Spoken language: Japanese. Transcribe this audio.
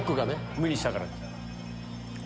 無にしたから。